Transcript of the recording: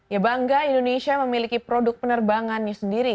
ya bangga indonesia memiliki produk penerbangannya sendiri